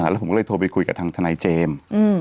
แล้วผมก็เลยโทรไปคุยกับทางทนายเจมส์